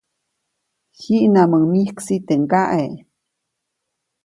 Jiʼnamuŋ myiksi teʼ kaʼe.